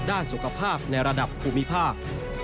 ด้านสุขภาพในระดับภูมิภาค